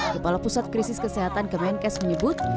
kepala pusat krisis kesehatan kemenkes menyebut